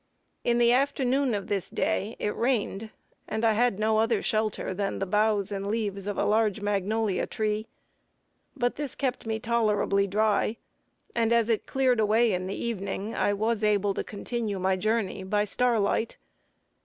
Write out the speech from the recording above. In the afternoon of this day it rained, and I had no other shelter than the boughs and leaves of a large magnolia tree; but this kept me tolerably dry, and as it cleared away in the evening, I was able to continue my journey by starlight.